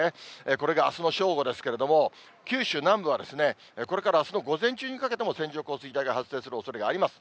これがあすの正午ですけれども、九州南部はこれからあすの午前中にかけても、線状降水帯が発生するおそれがあります。